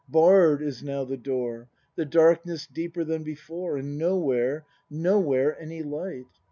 Barr'd is now the door. The darkness deeper than before, And nowhere, nowhere any light!